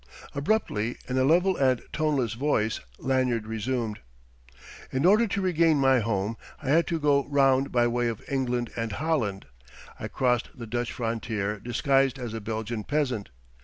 Abruptly, in a level and toneless voice, Lanyard resumed: "In order to regain my home I had to go round by way of England and Holland. I crossed the Dutch frontier disguised as a Belgian peasant.